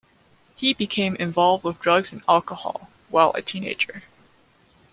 He became involved with drugs and alcohol while a teenager.